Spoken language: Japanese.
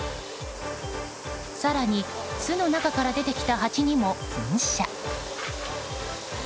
更に、巣の中から出てきたハチにも噴射。